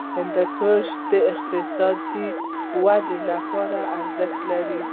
هندوکش د اقتصادي ودې لپاره ارزښت لري.